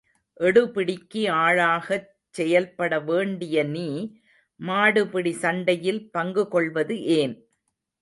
எடுபிடிக்கு ஆளாகச் செயல்பட வேண்டிய நீ மாடுபிடி சண்டையில் பங்கு கொள்வது ஏன்?